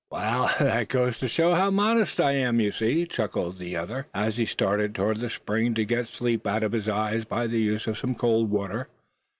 "Well, that goes to show how modest I am, you see," chuckled the other, as he started toward the spring to get the sleep out of his eyes by the use of some cold water.